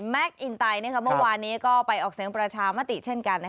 อินไตเมื่อวานนี้ก็ไปออกเสียงประชามติเช่นกัน